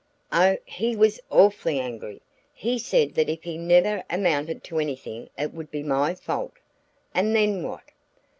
"Oh, he was awfully angry! He said that if he never amounted to anything it would be my fault." "And then what?"